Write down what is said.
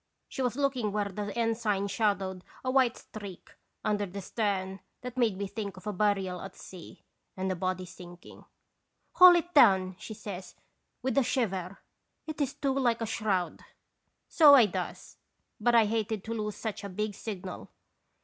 She was looking where the ensign shadowed a white streak under the stern that made me think of a burial at sea and the body sinking. " 'Haul it down! ' she says, with a shiver. ' It is too like a shroud !'" So I does, but I hated to lose such a big signal.